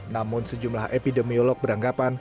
namun sejumlah epidemiolog beranggapan